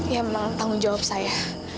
ya memang tanggung jawab saya